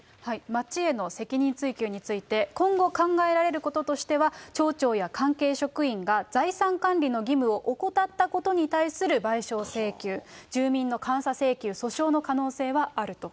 町への責任追及について、今後、考えられることとしては、町長や関係職員が財産管理の義務を怠ったことに対する賠償請求、住民の監査請求、訴訟の可能性はあると。